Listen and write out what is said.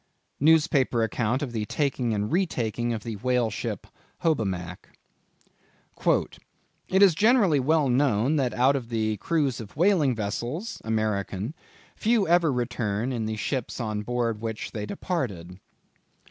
—Newspaper Account of the Taking and Retaking of the Whale Ship Hobomack. "It is generally well known that out of the crews of Whaling vessels (American) few ever return in the ships on board of which they departed."